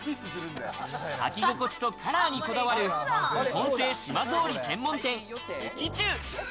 履き心地とカラーにこだわる日本製島ぞうり専門店ＯＫＩＣＨＵ。